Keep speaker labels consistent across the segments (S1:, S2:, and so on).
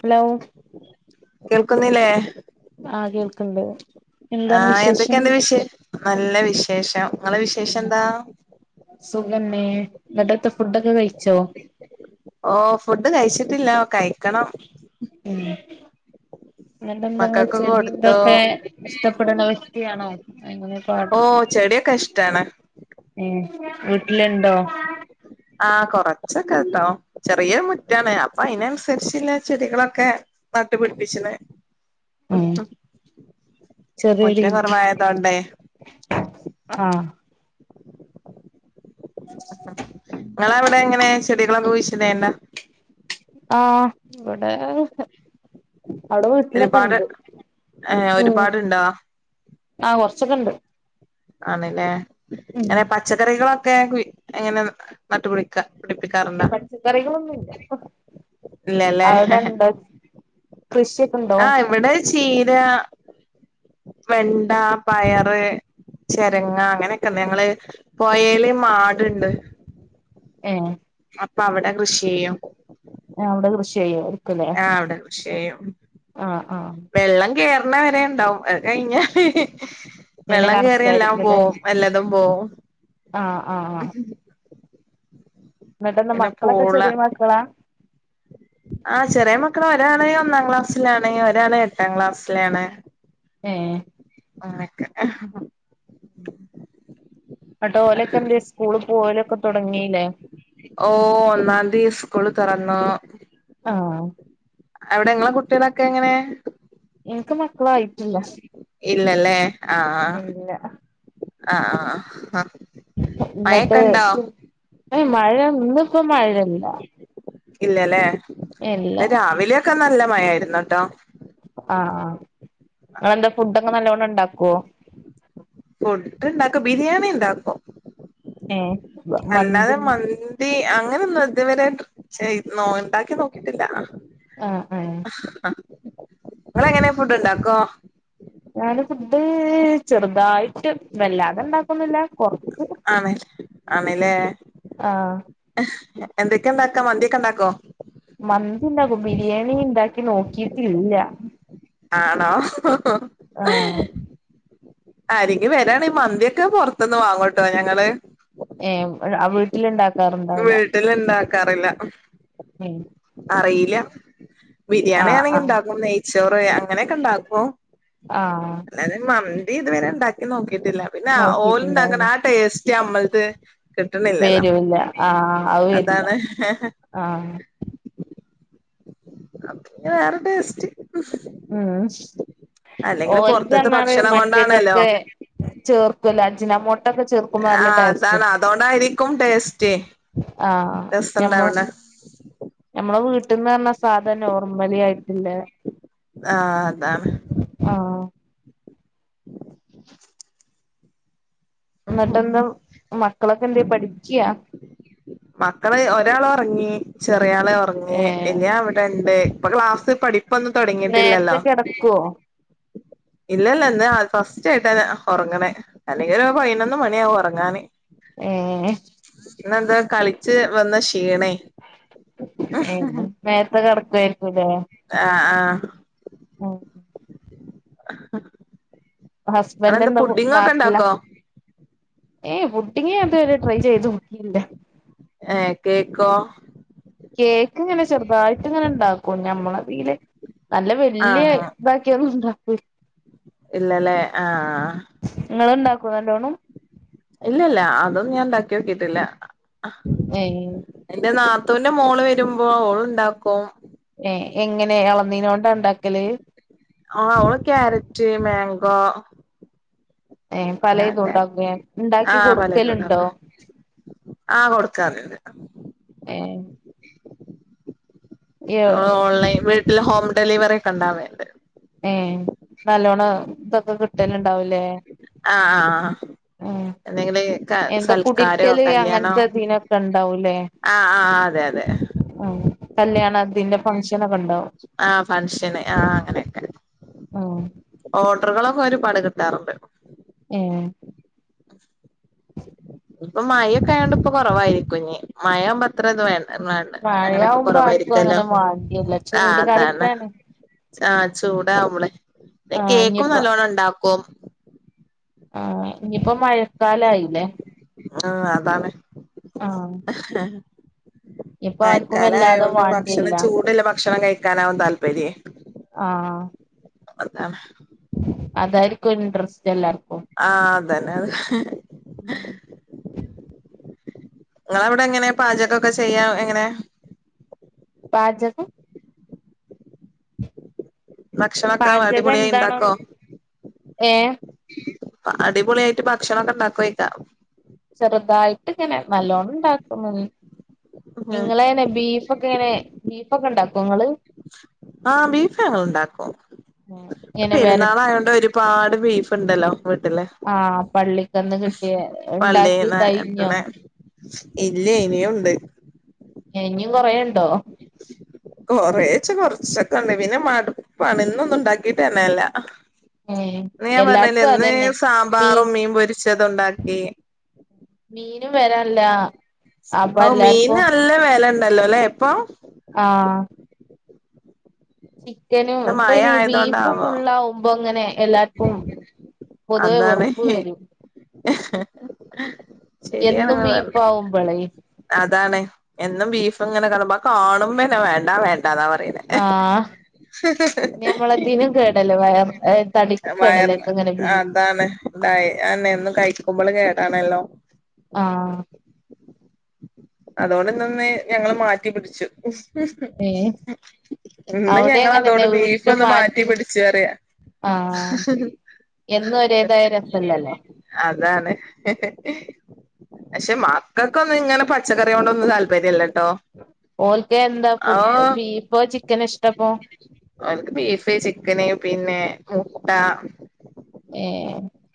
S1: Hello
S2: കേൾക്കുന്നില്ലേ
S1: ആഹ് കേൾക്കണ്ട്
S2: ആ എന്തൊക്കെ എന്താ വിശേഷ നല്ല വിശേഷം നിങ്ങളെ വിശേഷം എന്താ
S1: സുഖന്നേ ഇന്നത്തെ ഫുഡൊക്കെ കഴിച്ചോ
S2: ഓ ഫുഡ് കഴിച്ചിട്ടില്ല കൈ ക്കണം
S1: അങ്ങ എന്തെങ്കിലും
S2: കൊടുത്തോ
S1: ചെടീന്തൊക്കെ ഇഷ്ടപ്പെടുന്ന വ്യക്തിയാണോ അങ്ങനെ പാർട്ണർ
S2: ഓ ചെടിയൊക്കെ ഇഷ്ടാണ്
S1: വീട്ടിലുണ്ടോ
S2: ആ കൊറച്ചൊക്കെ കട്ടോ വലിയ മുറ്റാണ് അപ്പൊ അതിനനുസരിച്ചില്ല ചെടികളൊക്കെ നട്ടുപിടിപ്പിച്ചത്
S1: ഉം
S2: മുറ്റം കുറവായതോണ്ടേ
S1: ആ
S2: പിന്നെ എന്ന
S1: ആ ഇവിടെ അവിടെ വീട്ടിലൊക്കെ
S2: ഒരുപാട്
S1: ഉണ്ട്
S2: ഏ ഒരുപാടുണ്ടാ
S1: സുഖമുണ്ട്
S2: ആണല്ലേ അങ്ങനെ പച്ചക്കറികളൊ എങ്ങനെ നട്ടുപൊളിക്ക
S1: പച്ചക്കറികളൊന്നുംയില്ല അവിടെന്താ
S2: ആ ഇവിടെ ചീര വെണ്ട പയറ് ചെരങ്ങ അങ്ങനെയൊക്കെ ഞങ്ങള് പൊയേല് മാടുണ്ട്
S1: ഏ
S2: അപ്പൊ അവിടെ കൃഷി ചെയ്യും.
S1: ആ അവിടെ കൃഷി ചെയ്യുവോ
S2: ആ അവിടെ കൃഷി ചെയ്യും
S1: ആഹ് ആഹ്
S2: വെള്ളം കേറ് എണ വരെ ഉണ്ടാവും അത് കഴിഞ്ഞാല്
S1: പിന്നെ
S2: വെള്ളം കേറിയ എല്ലാം
S1: കണക്കായിരിക്കുംല്ലേ
S2: പോവും എല്ലാതും പോവും
S1: ആഹ് എന്നിട്ടന്ന
S2: പിന്നെ
S1: മക്കളൊക്കെ ചെറിയ മക്കളാ
S2: ആ ചെറിയ മക്കളാ ഒരാള് ഒന്നാം ക്ലാസ്സിലാണ് ഒരാള് എട്ടാം ക്ലാസ്സിലാണ്
S1: ഏ
S2: ആനക്കെ
S1: ആട്ടോ ഓലക്കെല്ല സ്കൂള് പോലൊക്കെ തുടങ്ങി ല്ലേ
S2: ഓ ഒന്നാംതീ സ്കൂള് തുറന്നു
S1: ആ
S2: അവിടെങ്ങളെ കുട്ടികളൊക്കെ എങ്ങനെ
S1: എനക്ക് മക്കളായിട്ടില്ല
S2: ഇല്ലല്ലേ
S1: ഇല്ല
S2: ആ ആ ആ
S1: ന്നിട്ട് മഴ ഇന്നും പ്പൊ മഴല്ല
S2: ഇല്ലല്ലേ ഇവിടെ രാവിലെയൊക്കെ നല്ല മഴയാരുന്നട്ടോ
S1: ആ ആ നിങ്ങളെന്താ ഫുടൊക്കെ നല്ലോണം ഉണ്ടാക്കുവൊ ഓ
S2: ഫുഡ് ഇണ്ടാക്കും ബിരിയാണി ഉണ്ടാക്കും
S1: ഏ
S2: അല്ലാതെ മന്തി അങ്ങ ഞാനൊന്നും ഇത് വരെയായിട്ടും ചെയ്തു ഉണ്ടാക്കി നോക്കിട്ടില്ല
S1: ആ ആ
S2: നിങ്ങളെങ്ങനെ ഫുഡുണ്ടാക്കുവോ
S1: ഞൻ ഫുഡ് ചെറുതായിട്ട് വല്ലാതെ ഉണ്ടാക്കുവോന്നുമില്ല കൊറ
S2: ആമേ ആമേലേ
S1: ആഹ്
S2: എന്തൊക്കെയുണ്ടാക്കാം മന്തിയൊക്കെ ഉണ്ടാക്കോ
S1: മന്തിണ്ടാക്കും ബിരിയാണി ഉണ്ടാക്കി നോക്കിട്ടില്ല
S2: ആണോ
S1: ആഹ്
S2: ആരെങ്കിലും വരാണെകിൽ മന്തിയൊക്കെ പൊറത്തുന്നു വാങ്ങു ട്ടോ ഞങ്ങള്
S1: ഏ ആ വീട്ടിലുണ്ടാക
S2: വീട്ടിൽ ഇണ്ടാക ക്കാറില്ല
S1: [unintelligible]
S2: അറീല്ല ബിരിയാണി
S1: ആഹ്
S2: ആണെങ്കി
S1: ആഹ്
S2: ഇണ്ടാകും നെയ് ചോറ് അങ്ങനെയൊക്കെ ഉണ്ടാക്കും
S1: ആഹ്
S2: [unintelligible] നീ ഇതുവരെ ഉണ്ടാക്കി നോ കിട്ടില്ല പിന്നെ ഓല് ഉണ്ടാകുണ ആ ടേസ് ഞമ്മളേത്
S1: വെരൂല്ല ആഹ് അത് വെരില്ല
S2: അതാണ്
S1: ആഹ്
S2: അപ്പോ പിന്നെ വേറെ ടേസ്റ്റ്
S1: ഉം
S2: അല്ലെങ്കില്
S1: ഓലത്
S2: പൊറത്തത്തെ
S1: പറഞ്ഞാറ്
S2: ഭക്ഷണം കൊണ്ടാണല്ലോ
S1: മറ്റേതൊക്കെ ചേർ അജ് [inaudible] നമോ
S2: ആ അതാണ് അതുകൊണ്ടായിരിക്കും ടേസ്റ്റ്
S1: ആഹ്
S2: രസാണ്ടവ്ണെ
S1: ഫുഡ്‌ ന്ന് പറഞ്ഞ സാധനം നോർമലി ആയിട്ടിലെ
S2: ആഹ് അതാണ്
S1: ആഹ്
S2: [inaudible]
S1: എന്നിട്ടെന്താ മക്കളൊക്കെ എന്തേ പഠിക്കയാ
S2: മക്കള് ഒരാളുറങ്ങി ചെറിയാൾ ഉറങ്ങി
S1: ഏഹ്
S2: വലിയോൻ ഇവിടെ ഇണ്ട് ഇപ്പൊ ക്ലാസ് പഠിപ്പൊന്നും തുടങ്ങിട്ടില്ലല്ലോ
S1: നേരത്തെ കിടക്കുവോ
S2: ഇല്ലല്ല ഇന്ന് ഫസ്റ്റ് ആയിട്ടാ ഉറങ്ങണെ അല്ലെങ്കിൽ ഒരു പതിനൊന്ന് മണിയാവും ഉറങ്ങാന്.
S1: ഏഹ്
S2: ഇന്ന് എന്തേ കളിച് വന്ന ക്ഷീണേ
S1: ഏ നേരത്തെ കിടക്കുമായിരിക്കുല്ലേ
S2: ആഹ് ആഹ്
S1: ഓ
S2: അഹ്
S1: ഹസ്ബൻഡ് എന്താ വോ നാട്ടിലാ?
S2: ഇണ്ടാക്കോ
S1: ഏഹ് പുഡിങ്ങ് ഞാതുവരെ ട്രൈ ചെയ്ത് നോക്കില്ല.
S2: ഏഹ് കേക്കോ?
S1: കേക്ക് ഇങ്ങനെ ചെറുതായിട്ട് ഇങ്ങനെ ണ്ടാക്കും ഞമ്മളതീല് നല്ല വല്ല്യാ ഇതാക്കിയൊന്നുണ്ടാ [unintelligible]
S2: ഇല്ലലേ? ആഹ്.
S1: നിങ്ങള് ഉണ്ടാക്കോ നല്ലോണം
S2: ഇല്ല ഇല്ല അതും ഞാൻ ഉണ്ടാക്കി ക്കിട്ടില്ല
S1: ഏ
S2: ത്തുന്റെ മോള് വരുമ്പോ ഓള് ഉണ്ടാക്കും
S1: ഏ എങ്ങനെ ഇളന്നീനോണ്ടാ ഇണ്ടാ
S2: ആ അവള് കാരറ്റ് മേ [unintelligible]
S1: ഏ പല ഇതും ഉണ്ടാക്കോഉണ്ടാക്കി
S2: ആഹ് പലതും
S1: കൊടുക്കലുണ്ടോ
S2: ഇണ്ടാക്കും ആഹ് കൊടുക്കാറ്ണ്ട്
S1: ഏ
S2: ആ ഓൺലൈൻ വീട്ടിൽ ഹോം ഡെലിവറി ക്കണ്ടാവേണ്ട്
S1: ഏ നല്ലോണം തെ ക്കെ കിട്ടല്ണ്ടാവൂലേ
S2: ആ എന്തങ്കില്
S1: എന്താ കുടിര്ക്കല് അങ്ങനത്തെ ഇതിനൊക്കെ ഉണ്ടാവൂലേ
S2: ആഹ് ആഹ് അതെ അതെ
S1: ആ കല്യാണം അതിന്റെ ഫംഗ്ഷനൊക്കെ ഉണ്ടോ
S2: ആ ഫംഗഷന് ആ അങ്ങനെയൊക്കെ
S1: ആ
S2: ഓഡറുകളൊക്കെ ഒരുപാട് കിട്ടാറുണ്ട്
S1: ഏ
S2: ഇപ്പൊ മഴൊക്കെ ആയോണ്ട് ഇപ്പൊ കൊറവായിരിക്കും ഇഞ്ഞ് മയാവുമ്പം അത്ര ത് വേ വേണ്ട അങ്ങനെയൊക്കെ
S1: മഴയാവുമ്പോ ആർക്കും
S2: കൊറവായിരിക്കല്ലോ
S1: അങ്ങനെ വാണ്ട്യല്ല ചൂട് കാലത്താണ്
S2: ആ ചൂടാവുമ്പളെ
S1: ആഹ്
S2: കേക്കും
S1: ഇഞ്ഞിപ്പ
S2: നല്ലോണം ണ്ടാക്കും
S1: ആ ഇഞ്ഞിപ്പ മഴക്കാലായില്ലേ
S2: ആ അതാണ്
S1: ആ
S2: മയക്കാല ആയോണ്ട് ഭക്ഷണം
S1: വാണ്ടിയല്ല
S2: ചൂട്ള്ള ഭക്ഷണം കഴിക്കാനാവും താല്പര്യേ
S1: ആഹ്
S2: അതാണ്
S1: അതായിരിക്കും ഇൻട്രസ്റ്റ് എല്ലാർക്കും
S2: ആഹ് അതന്നെ അത് ങ്ങളവിടെ എങ്ങനെ പാചകൊക്കെ ചെയ്യാൻ എങ്ങനെ
S1: പാചകം
S2: ഭക്ഷണം ഒക്കെ അടിപൊളിയായി ണ്ടാക്കോ
S1: ഏ
S2: അടിപൊളിയായിട്ട് ഭക്ഷണൊക്കെണ്ടാക്കോയ്ക്കാ
S1: ചെറുതായിട്ട്ങ്ങനെ നല്ലോണണ്ടാക്കുന്നി
S2: ഉം
S1: നിങ്ങളങ്ങനെ ബീഫൊക്കെങ്ങനെ ബീഫോക്കെണ്ടാ ങ്ങള്
S2: ആ ബീഫ് ഞങ്ങള്ണ്ടാക്കും
S1: ഇങ്ങനെ വര
S2: പെരുന്നാളായോണ്ട് ഒരുപാട് ബീഫ്ണ്ടല്ലോ വീട്ടില്ലെ
S1: ആ പള്ളിക്കന്ന് കിട്ടിയ ഉണ്ടാക്കി
S2: പള്ളീന്ന്
S1: കഴിഞ്ഞോ
S2: എത്ത്ണ ഇല്ലേ ഇനിയുണ്ട്.
S1: ഇനിയും കൊറേണ്ടോ
S2: കൊറേച്ച കുറച്ച് ക്കണ് പിന്നെ മടുപ്പാണ് ഇന്നൊന്നും ഉണ്ടാക്കിട്ടന്നെല്ല അ
S1: ഏ
S2: അത് ഞാൻ പറഞ്ഞിലേ
S1: എല്ലാർക്കും
S2: ഇന്ന്
S1: അതന്നെ മീ
S2: സാമ്പാറും മീംപൊരിച്ചതുണ്ടാക്കി
S1: ഞ്ഞും വെരാല്ല
S2: ഓ മീൻ നല്ല വെല ണ്ടല്ലോലേ ഇപ്പോ
S1: ആ ചിക്കനും
S2: ഇത്
S1: ഇപ്പൊ
S2: മഴ
S1: അയ്ന് ബീഫ് ഫുള്ളാകുമ്പോങ്ങനെ
S2: അന്നാണ്
S1: വെറുപ്പ് വരും എന്നും
S2: ശരിയാണ്ങ്ങള് പറഞ്ഞ
S1: ബീഫാവുമ്പളേ
S2: അതാണ് എന്നും ബീഫ്ങ്ങനെ കാണുമ്പോ കാണുമ്പെന്നെ വേണ്ട വേ
S1: ആ പിന്നമ്മളെതിനും കേടല്ലേ വയർ ആ തടി
S2: വയർ അതാണ് ഇതായി ആണെന്നും കഴിക്കുമ്പള് കേടാണല്ലോ
S1: ആ
S2: അതോണ്ട്ന്നൊന്ന് ഞങ്ങള് മാറ്റിപ്പിടിച്ചു
S1: ഏ
S2: ഇന്ന്
S1: അവിടെ
S2: ഞങ്ങളതോണ്ട്
S1: അങ്ങനെന്നെ വീട്ടിലും
S2: ബീഫൊന്ന്
S1: മാറ്റി
S2: മാറ്റിപ്പിടിച്ചുഅറിയാ
S1: ആ എന്നും ഒരേതായ രസല്ലല്ലോ
S2: അതാണ് പക്ഷേ മക്കക്കൊന്നുങ്ങനെ പ ച്ചക്കറിയൊണ്ടൊന്നും താല്പര്യല്ല
S1: ഓൽകെന്താ ഫുഡ് ബീഫോ ചിക്കനാ ഇഷ്ട്ടപ്പോ
S2: പിന്നേ മുട്ടാ
S1: ഏ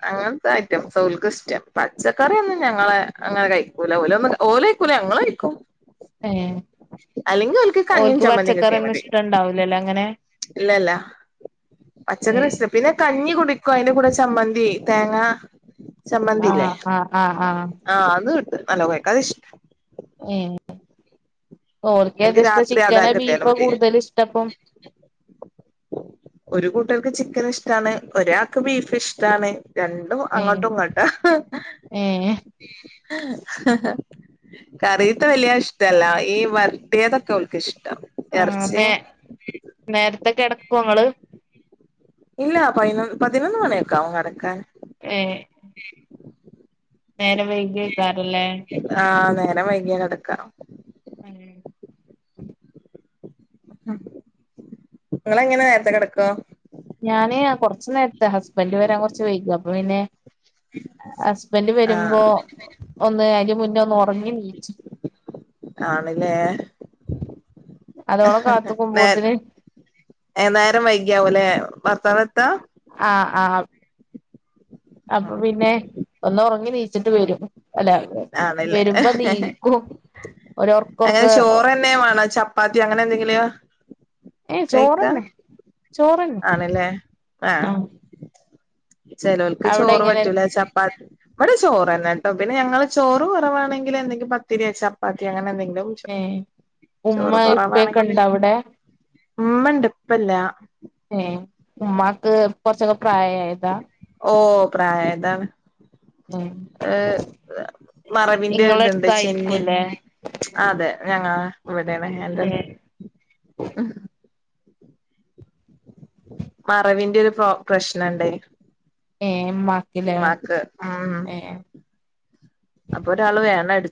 S2: അങ്ങൻത്തെ ഐറ്റംസാ ഒൽക്കിഷ്ട്ടം പച്ചക്കറിയൊന്നും ഞങ്ങളെ അങ്ങനെ കഴിക്കൂല ഓലൊന്നും ഓല് കഴിക്കൂല ഞങ്ങള് കഴിക്കും
S1: ഏ
S2: അല്ലെങ്കി ഓൽക്ക് കഞ്ഞി ചമ്മന്തിം
S1: പച്ചക്കറിയൊന്നും
S2: കിട്ടിയാമതി
S1: ഇഷ്ടണ്ടാവൂലല്ലോ അങ്ങനെ
S2: ഇല്ലല്ല പച്ചക്കറിഷ്ട്ട പിന്നെകഞ്ഞി കുടികുടിക്കും അയിൻ്റെ കൂടെ ചമ്മന്തി ഇ തേങ്ങാ ചമ്മന്തില്ലേ
S1: ആഹ് ആഹ് ആഹ് ആഹ്
S2: ആ അത്ക് [unintelligible] ഇഷ്
S1: ങ്ങേ
S2: എനിക്ക്
S1: ഓൽക്കേതഷ്ട്ടം
S2: രാത്രി അതാ
S1: ചിക്കനാ
S2: കിട്ടിയാലും
S1: ബീഫോ
S2: മതി
S1: കൂടുതലിഷ്ട്ടപ്പം
S2: ഒരു കൂട്ടർക്ക് ചിക്കനിഷ്ട്ടാണ് ഒരാക്ക് ബീഫ്ഷ്ട്ടാണ് രണ്ടും
S1: ഏ
S2: അങ്ങോട്ടുങ്ങോട്ടാ
S1: ഏ
S2: കറീത്തെ വലിയ ഇഷ്ടല്ല ഈ വർട്ടിയതൊക്കെ ഓൽക്ക് ഇഷ്
S1: ആ മേ നേര് തെ കെടക്കൊങ്ങള്
S2: ഇല്ല പയിനൊ പതിനൊന്ന് മണിയൊക്കെ ആവും കെടക്കാന്
S1: ഏ നേരം വൈകിഐക്കാരംല്ലേ
S2: [unintelligible] വൈകിയ കെടക്കാ
S1: ഉം
S2: നിങ്ങളങ്ങനെ നേരത്തെ കെടക്ക
S1: ഞാന് കുറച്ചു നേരത്തെ ഹസ്ബൻഡ് വരാ കൊറച്ച് വൈകും അപ്പൊ പിന്നെ ഹസ്ബൻഡ് വരുമ്പോ
S2: ആഹ്
S1: ഒന്ന് അയിന് മുന്നേ ഒന്ന് ഒറങ്ങി എനീയിച്ചു
S2: ആണല്ലേ
S1: അതോളെ
S2: [unintelligible]
S1: കാത്തുക്കുമ്പോത്തിന്
S2: എനേരം വൈകിയാവും അല്ലെ വ എപ്പോഴാ എത്ത
S1: ആഹ് ആഹ് അപ്പൊ പിന്നെ ഒന്ന് ഒറങ്ങി നീ എണീച്ചിട്ട് വരും അല്ല
S2: ആണല്ലേ
S1: വരുമ്പോ നീക്കും ഒരു
S2: അങ്ങനെ
S1: ഒർക്കൊർക്ക
S2: ചോറ്ന്നെ വേണോ ചപ്പാത്തി ചപ്പാത്തി അങ്ങനെ എന്തെങ്കിലോ
S1: ഏ ചോറ്ന്ന ചോറ് ന്ന
S2: ആണല്ലേ
S1: ആഹ
S2: ചിലക്ക് ചോറ് പറ്റൂല ചപ്പാ ഇവിടെ ചോറ്ന്നാ കേട്ടോ പിന്നെ ഞങ്ങള് ചോറ് കെറവാണെങ്കിൽ എന്തെങ്കിലും പത്തിരിയ ചപ്പാത്തി അങ്ങനെ എന്തെങ്കിലും
S1: ഏ ഉമ്മ
S2: ചോറ്
S1: ഇപ്പൊക്കെ ഇണ്ടോ അവിടെ
S2: ഉമ്മ ഉണ്ട് ഇപ്പ ഇല്ല
S1: [inaudible] ഉമ്മക്ക് കെറച്ച് പ്രായം ആയതാ
S2: പ്രയാതാണ് ഏ മറവിന്റെ
S1: ഇങ്ങളെ
S2: ഇതുണ്ട് ചെന്നി
S1: അടുത്തായിരിക്കുംല്ലേ
S2: അതെ ഞങ്ങ ഇവിടൊണ് എന്റെ അടുത്ത്
S1: ഏഹ്
S2: മറവിന്റെ ഒരു പ്രൊ പ്രശ്നുണ്ടേ
S1: ഏ മ
S2: ഉമ്മാക്ക് ഉം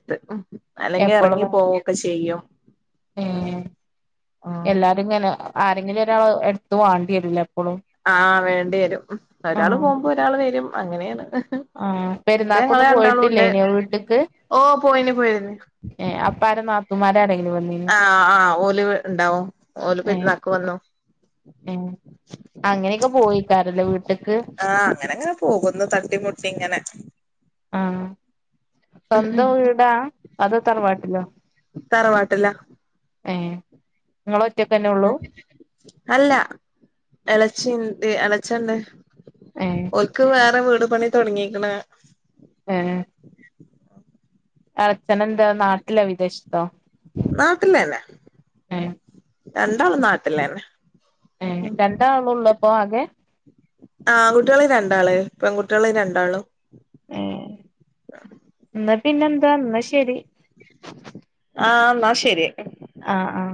S2: ത്ത് അല്ലെങ്കി ഇറങ്ങി പോകൊക്കെ ചെയ്യും
S1: ഏ
S2: ഉം
S1: എല്ലാരും ഇങ്ങനെ ആരെങ്കിലും ഒരാള് എ അടുത്ത് വേണ്ടി വരൂലേ
S2: ആഹ് വേണ്ടി വരും ഒരാള്
S1: ആഹ്
S2: പോകുമ്പോ ഒരാള് വരും അങ്ങനെയാണ്
S1: ആഹ്
S2: ദേ നിങ്ങള്
S1: പെരുന്നാക്കൊന്നും
S2: രണ്ടാളുണ്ട്
S1: പോയിട്ടില്ലേനിയോ വീട്ട്ക്ക്
S2: ഓ പോയിന് പോയിന്
S1: ഏഹ് അപ്പ ആരെ നാത്തൂമാരാരെങ്കിലും വന്നീനോ
S2: ആ ആ ഓല് ഇണ്ടാവും ഓല്
S1: ഏഹ്
S2: പെരിന്നാക്ക് വന്നു
S1: ഏഹ് അങ്ങനെയൊക്കെ പോയിക്കാരല്ലേ വീട്ട്ക്ക്
S2: ആ അങ്ങനെ അങ്ങ് പോകുന്നു തട്ടിമുട്ടി ഇങ്ങനെ
S1: ആ സ്വന്തം വീടാ അത തറവാട്ടിലോ
S2: തറവാട്ടില്ല
S1: ഏ നിങ്ങള് ഒറ്റക്കെന്നെ ഉള്ളു
S2: എലച്ചിണ്ട് എലേച്ചണ്ട്
S1: ഏഹ്
S2: ഓൽക്ക് വേറെ വീട് പണി തുടങ്ങീക്കണ്
S1: ഏ അച്ചനെന്താ നാട്ടില വിദേശത്താ
S2: നാട്ടിലന്നേ രണ്ടാളും നാട്ടില്ലന്നെ
S1: ഏ രണ്ടാളുള്ളപ്പോ ആകെ
S2: ആ കുട്ടികള് രണ്ടാള് പെൺകുട്ടികള് രണ്ടാളും
S1: ട്ട് പിന്നെന്താന്നാ ശരി
S2: ആ എന്ന ശരി
S1: ആ ആ